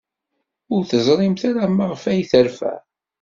Ur teẓrimt ara maɣef ay terfa?